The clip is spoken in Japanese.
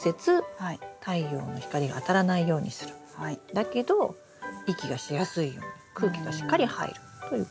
だけど息がしやすいように空気がしっかり入るということ。